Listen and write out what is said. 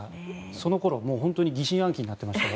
その頃、本当に私は疑心暗鬼になっていました。